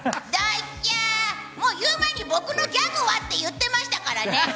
言う前に僕のギャグはって言ってましたからね。